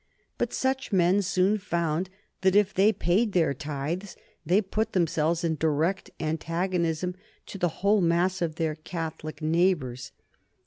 But such men soon found that if they paid their tithes they put themselves in direct antagonism to the whole mass of their Catholic neighbors.